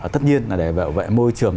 tất nhiên là để bảo vệ môi trường